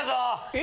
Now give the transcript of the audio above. え？